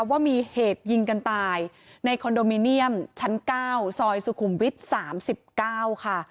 ว่ามีเหตุยิงกันตายในคอนโดมิเนียมชั้น๙ซอยสุขุมวิทย์๓๙ค่ะ